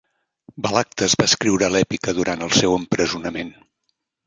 Balagtas va escriure l'èpica durant el seu empresonament.